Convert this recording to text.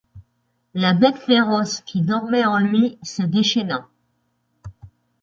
La bête féroce qui dormait en lui se déchaîna.